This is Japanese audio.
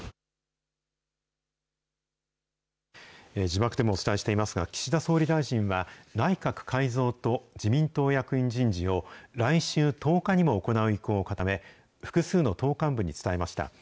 字幕でもお伝えしていますが、岸田総理大臣は内閣改造と自民党役員人事を、来週１０日にも行う意向を固め、複数の党幹部に伝えました。